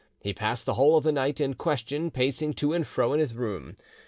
He passed the whole of the night in question pacing to and fro in his room.